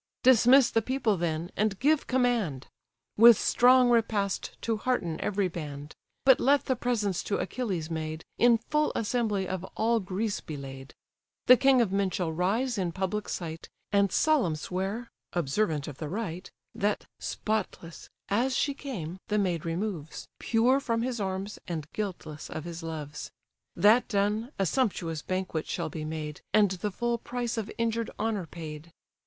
Dismiss the people, then, and give command, With strong repast to hearten every band; But let the presents to Achilles made, In full assembly of all Greece be laid. The king of men shall rise in public sight, And solemn swear (observant of the rite) That, spotless, as she came, the maid removes, Pure from his arms, and guiltless of his loves. That done, a sumptuous banquet shall be made, And the full price of injured honour paid.